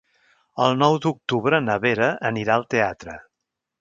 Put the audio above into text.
El nou d'octubre na Vera anirà al teatre.